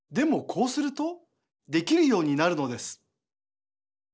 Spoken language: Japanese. こうするとできるようになるのです。